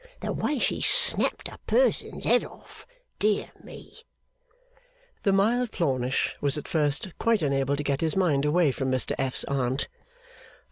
The way she snapped a person's head off, dear me!' The mild Plornish was at first quite unable to get his mind away from Mr F.'s Aunt.